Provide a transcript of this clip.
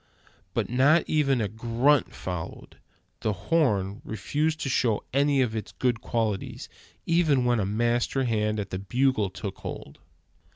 But not even a grunt followed. The horn refused to show any of it's good qualities, even when a master hand at the bugle took hold.